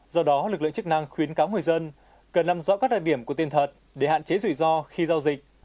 do đó lực lượng chức năng khuyến cáo người dân cần làm rõ các đặc điểm của tiền thật để hạn chế rủi ro khi giao dịch